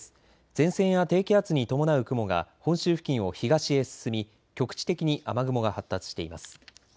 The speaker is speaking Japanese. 前線や低気圧に伴う雲が本州付近を東へ進み局地的に雨雲が発達しています。